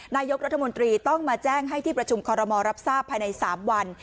นายกรัฐมนตรีต้องมาแจ้งให้ที่ประชุมคอรมอลรับทราบภายใน๓วัน